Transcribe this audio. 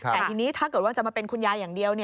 แต่ทีนี้ถ้าเกิดว่าจะมาเป็นคุณยายอย่างเดียว